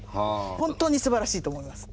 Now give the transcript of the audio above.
本当にすばらしいと思います。